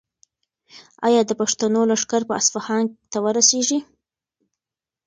ایا د پښتنو لښکر به اصفهان ته ورسیږي؟